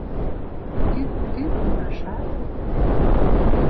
Тӱп-тӱп мурышат, -